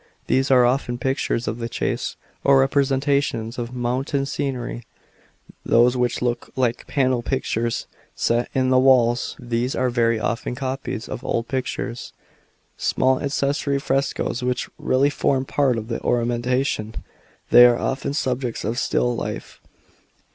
These are often pictures of the chase,, or representations of mountain sceuery. (3) Those which look liko panel pictures set in tiie walls. These are very often copies of old pictures. (4 Small accessory frescoes, which really form part of the ornamentation. They are often subjects of still life.